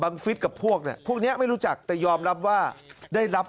ฟิศกับพวกเนี่ยพวกนี้ไม่รู้จักแต่ยอมรับว่าได้รับ